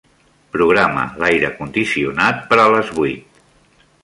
Programa l'aire condicionat per a les vuit.